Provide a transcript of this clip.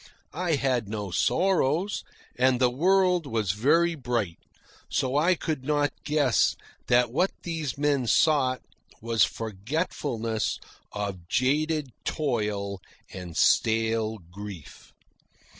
I had no sorrows, and the world was very bright, so I could not guess that what these men sought was forgetfulness of jaded toil and stale grief.